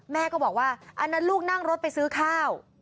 แม่ก็บอกว่าอันนั้นลูกนั่งรถไปซื้อข้าว